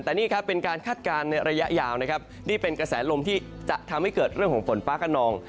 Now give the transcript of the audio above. แต่นี่ครับเป็นการคาดการณ์ในระยะยาวนะครับนี่เป็นกระแสลมที่จะทำให้เกิดเรื่องของฝนฟ้าขนอง